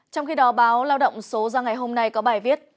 trong khi đó báo lao động số ra ngày hôm nay có bài viết